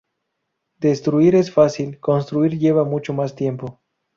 Destruir es fácil, construir lleva mucho más tiempo